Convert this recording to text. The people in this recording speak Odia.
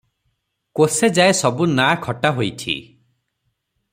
କୋଶେଯାଏ ସବୁ ନାଆ ଖଟା ହୋଇଛି ।